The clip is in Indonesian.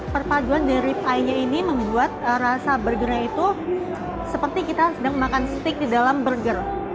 perpaduan dari rip eye nya ini membuat rasa burgernya itu seperti kita sedang makan steak di dalam burger